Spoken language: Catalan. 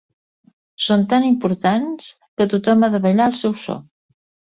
Són tan importants que tothom ha de ballar al seu so.